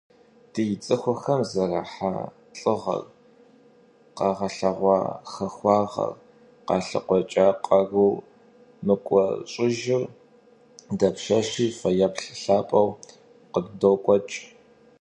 Ди цӀыхухэм зэрахьа лӀыгъэр, къагъэлъэгъуа хахуагъэр, къалъыкъуэкӀа къару мыкӀуэщӀыжыр дапщэщи фэеплъ лъапӀэу къыддокӀуэкӀ.